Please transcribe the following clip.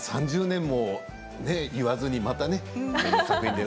３０年と言わずにまたね。